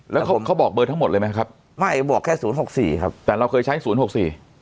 แล้วเขาบอกเบอร์ทั้งหมดเลยไหมครับไม่บอกแค่๐๖๔ครับแต่เราเคยใช้๐๖๔